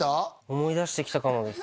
思い出してきたかもです